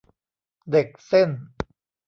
เด็กเส้น